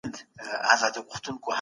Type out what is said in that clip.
څېړونکی د تخلیقي ادب شننه کوي.